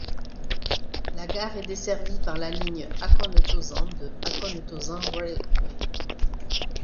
La gare est desservie par la ligne Hakone Tozan de Hakone Tozan Railway.